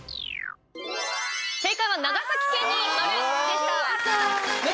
正解は長崎県に丸でした。